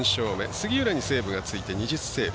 杉浦にセーブがついて２０セーブ。